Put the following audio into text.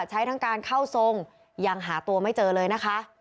ใช้ทั้งการเข้าทรงยังหาตัวไม่เจอเลยนะคะ